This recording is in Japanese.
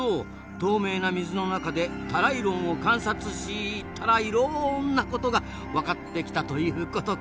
透明な水の中でタライロンを観察し「たらいろん」なことが分かってきたということか。